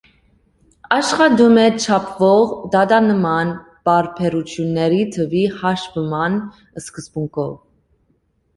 Աշխատում է չափվող տատանման պարբերությունների թվի հաշվման սկզբունքով։